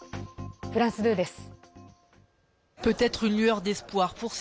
フランス２です。